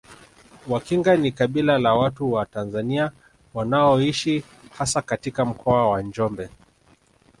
Wakinga ni kabila la watu wa Tanzania wanaoishi hasa katika Mkoa wa Njombe